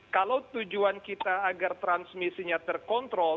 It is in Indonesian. kalau tujuan kita agar transmisinya terkontrol